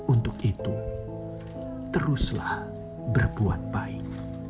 untuk itu teruslah berbuat baik